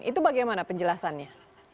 itu bagaimana penjelasannya